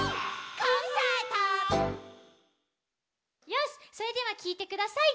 よしそれではきいてください。